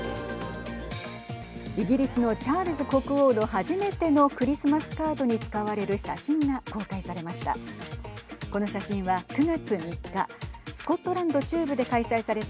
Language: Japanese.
イギリスのチャールズ国王の初めてのクリスマスカードに使われる写真が公開されました。